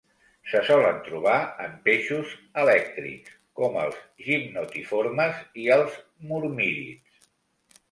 Se solen trobar en peixos elèctrics com els gimnotiformes i els mormírids.